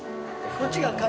こっちが。